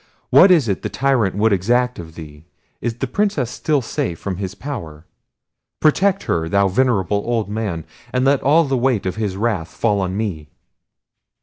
What is it the tyrant would exact of thee? Is the Princess still safe from his power? Protect her, thou venerable old man; and let all the weight of his wrath fall on me."